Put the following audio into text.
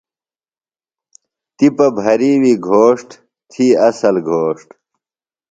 تِپہ بھرِیوی گھوݜٹ تھی اصل گھوݜٹ۔